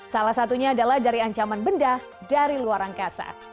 salah satunya adalah dari ancaman benda dari luar angkasa